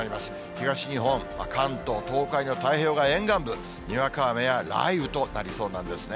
東日本、関東、東海の太平洋側沿岸部、にわか雨や雷雨となりそうなんですね。